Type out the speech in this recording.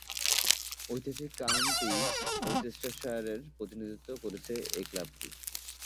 ঐতিহাসিক কাউন্টি ওরচেস্টারশায়ারের প্রতিনিধিত্ব করছে এ ক্লাবটি।